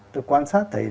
tôi quan sát